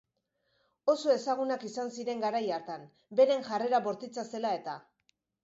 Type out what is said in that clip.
Oso ezagunak izan ziren garai hartan, beren jarrera bortitza zela-eta.